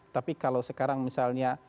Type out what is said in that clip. tapi kalau sekarang misalnya